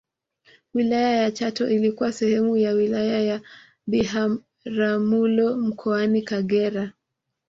Wilaya ya Chato ilikuwa sehemu ya wilaya ya Biharamulo mkoani Kagera